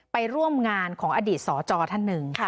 ไปร่วมงานของอดีตสจท่านหนึ่ง